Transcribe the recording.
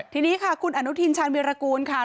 ทีนี้ค่ะคุณอนุทินชาญวิรากูลค่ะ